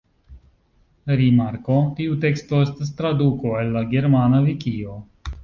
Rimarko: Tiu teksto estas traduko el la germana vikio.